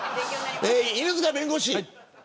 犬塚弁護士。